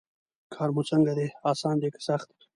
کار مو څنګه دی اسان دی که سخت.